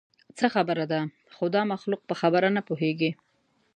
څه خبره ده؟ خو دا مخلوق په خبره نه پوهېږي.